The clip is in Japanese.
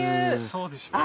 そうですね。